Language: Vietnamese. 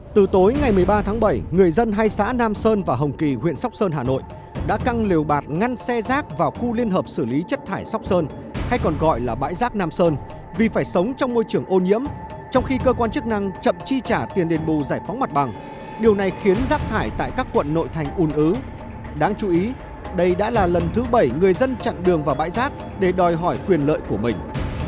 từ tối ngày một mươi ba tháng bảy người dân hai xã nam sơn và hồng kỳ huyện sóc sơn hà nội đã căng liều bạt ngăn xe rác vào khu liên hợp xử lý chất thải sóc sơn hay còn gọi là bãi rác nam sơn vì phải sống trong môi trường ô nhiễm trong khi cơ quan chức năng chậm chi trả tiền đền bù giải phóng mặt bằng điều này khiến rác thải tại các quận nội thành un ứ đáng chú ý đây đã là lần thứ bảy người dân chặn đường vào bãi rác để đòi hỏi quyền lợi của mình